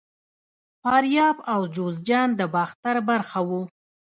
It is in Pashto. فاریاب او جوزجان د باختر برخه وو